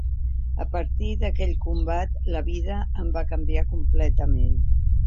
A partir d’aquell combat, la vida em va canviar completament.